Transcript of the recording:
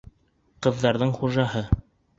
Ҡыҙҙарҙың хужаһы!